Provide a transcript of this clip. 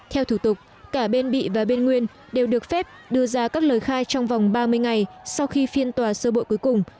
theo thủ tục cả bên bị và bên nguyên đều được phép đưa ra các lời khai trong vòng ba mươi ngày sau khi phiên tòa sơ bộ cuối cùng